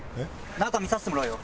中見させてもらうよ。